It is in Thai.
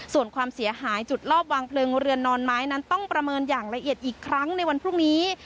ส่วนความเสียหายจุดรอบวางเพลิงเรือนนอนไม้นั้นต้องประเมินอย่างละเอียดอีกครั้งในวันพรุ่งนี้